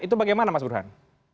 itu bagaimana mas buruhan